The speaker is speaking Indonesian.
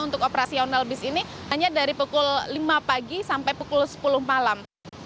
untuk operasional bis ini hanya dari pukul lima pagi sampai pukul sepuluh malam